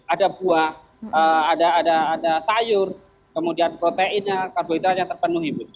ada buah ada sayur kemudian proteinnya karbohidratnya terpenuhi